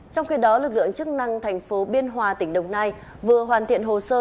trong khi đó lực lượng chức năng tp biên hòa tỉnh đồng nai vừa hoàn thiện hồ sơ